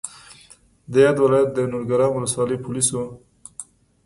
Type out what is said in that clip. د یاد ولایت د نورګرام ولسوالۍ پولیسو